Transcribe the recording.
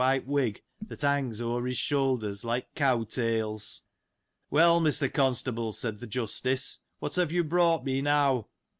523 brownish white wig, that hangs o'er his shoulders, like cow tails. Well, Mr. Constable, said th' Justice, what have you brought me, now